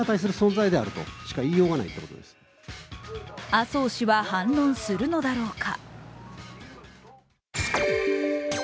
麻生氏は反論するのだろうか？